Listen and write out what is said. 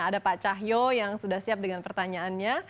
ada pak cahyo yang sudah siap dengan pertanyaannya